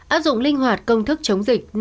áp dụng linh hoạt công thức chống dịch